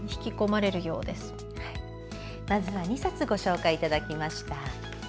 まずは２冊ご紹介いただきました。